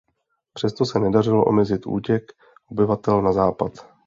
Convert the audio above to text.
Přesto se nedařilo omezit útěk obyvatel na Západ.